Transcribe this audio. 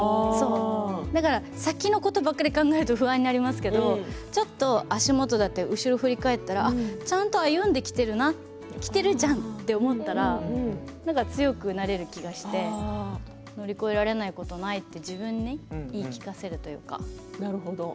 だから先のことばかり考えると不安になりますけどちょっと足元だったり後ろを振り返ったら、ちゃんと歩んできているなきているじゃんと思ったら強くなれる気がして乗り越えられないことはないと自分に言い聞かせるというか。